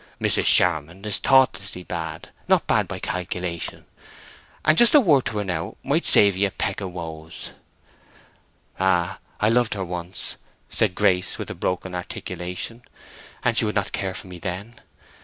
Mrs. Charmond is thoughtlessly bad, not bad by calculation; and just a word to her now might save 'ee a peck of woes." "Ah, I loved her once," said Grace, with a broken articulation, "and she would not care for me then!